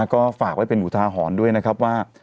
ก็ฝากไว้เป็นอุทาหรณ์ด้วยนะครับว่า